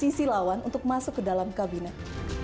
atau ada sisi lawan untuk masuk ke dalam kabinet